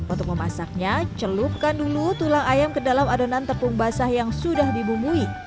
untuk memasaknya celupkan dulu tulang ayam ke dalam adonan tepung basah yang sudah dibumbui